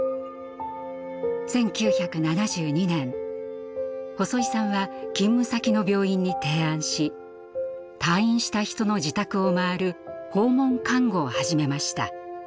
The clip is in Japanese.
１９７２年細井さんは勤務先の病院に提案し退院した人の自宅を回る訪問看護を始めました。